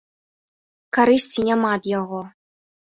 Карысці няма ад яго.